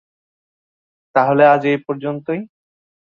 তাহলে আজ এই পর্যন্তই।